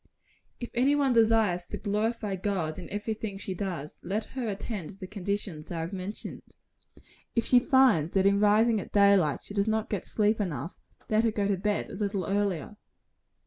If any one desires to glorify God in every thing she does, let her attend to the conditions I have mentioned. If she finds that in rising at daylight she does not get sleep enough, let her go to bed a little earlier.